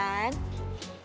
iya tante boleh